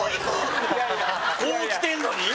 こう来てるのに？